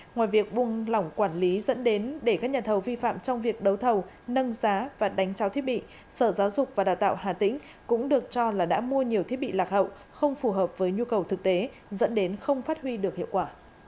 ngoài việc buông lỏng quản lý dẫn đến để các nhà thầu vi phạm trong việc đấu thầu nâng giá và đánh trao thiết bị sở giáo dục và đào tạo hà tĩnh cũng được cho là đã mua nhiều thiết bị lạc hậu không phù hợp với nhu cầu thực tế dẫn đến không phát huy được hiệu quả